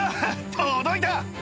届いた！